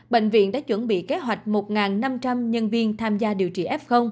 bệnh viện đã chuẩn bị kế hoạch một năm trăm linh nhân viên tham gia điều trị f